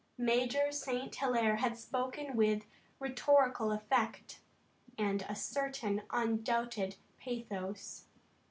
Major St. Hilaire had spoken with rhetorical effect and a certain undoubted pathos.